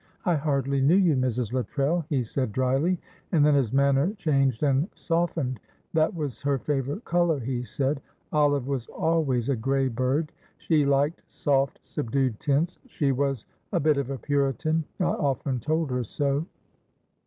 "I hardly knew you, Mrs. Luttrell," he said, dryly, and then his manner changed and softened. "That was her favourite colour," he said. "Olive was always a grey bird; she liked soft, subdued tints; she was a bit of a Puritan. I often told her so."